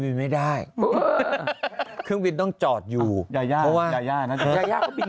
ไม่ได้เครื่องบินต้องจอดอยู่ยาย่ายาย่านะยาย่าก็บิน